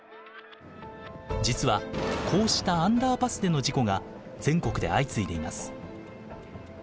実はこうしたアンダーパスでの事故が全国で相次いでいます。